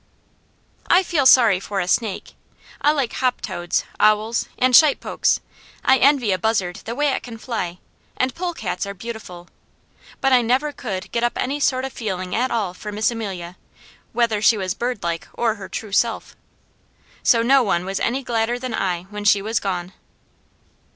'" I feel sorry for a snake. I like hoptoads, owls, and shitepokes. I envy a buzzard the way it can fly, and polecats are beautiful; but I never could get up any sort of feeling at all for Miss Amelia, whether she was birdlike or her true self. So no one was any gladder than I when she was gone.